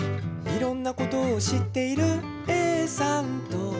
「いろんなことを知っているＡさんと」